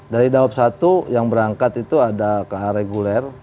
dari daob satu yang berangkat itu ada kehar reguler